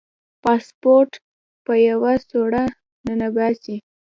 پاسپورټ په یوه سوړه ننباسي.